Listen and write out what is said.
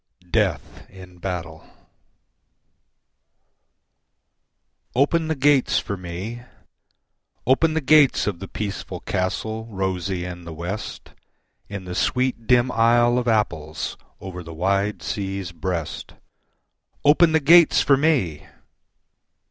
Death in Battle Open the gates for me, Open the gates of the peaceful castle, rosy in the West, In the sweet dim Isle of Apples over the wide sea's breast, Open the gates for me!